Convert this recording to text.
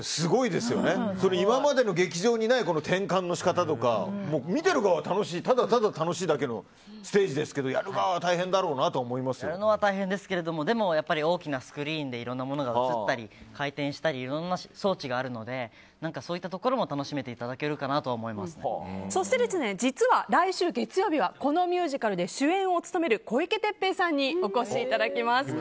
今までの劇場にない転換の仕方とか見てる側はただただ楽しいだけのステージですけどやるのは大変ですけどスクリーンにいろんなものが映ったり回転したりいろんな装置があるのでそういったところも楽しめていただけるかとは実は、来週月曜日はこのミュージカルで主演を務める小池徹平さんにお越しいただきます。